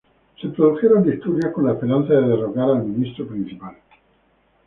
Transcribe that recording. Se produjeron disturbios, con la esperanza de derrocar al Ministro Principal.